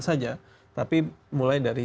saja tapi mulai dari